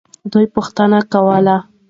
دوی پوښتنه کوله.